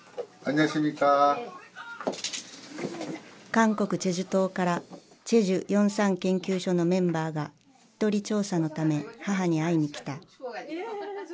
韓国済州島から済州４・３研究所のメンバーが聞き取り調査のため母に会いに来た。